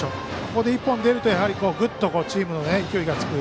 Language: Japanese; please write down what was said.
ここで１本出るとグッとチームに勢いがつく。